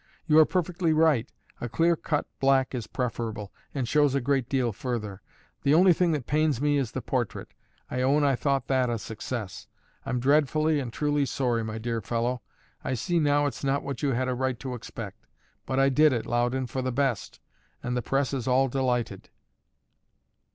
"You are perfectly right: a clear cut black is preferable, and shows a great deal further. The only thing that pains me is the portrait: I own I thought that a success. I'm dreadfully and truly sorry, my dear fellow: I see now it's not what you had a right to expect; but I did it, Loudon, for the best; and the press is all delighted."